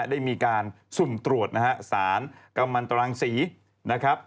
ได้มีการสุ่มตรวจนะฮะสารกำลังตรังศรีนะครับ